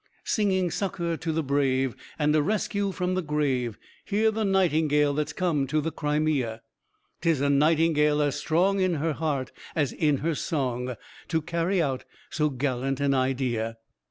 Singing succour to the brave, and a rescue from the grave, Hear the nightingale that's come to the Crimea; 'Tis a nightingale as strong in her heart as in her song, To carry out so gallant an idea.